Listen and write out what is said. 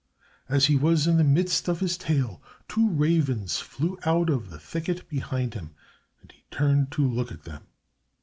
As he was in the midst of his tale, two ravens flew out of the thicket behind him, and he turned to look at them.